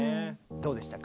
どうでしたか？